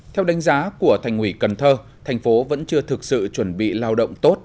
theo đánh giá của thành ủy cần thơ thành phố vẫn chưa thực sự chuẩn bị lao động tốt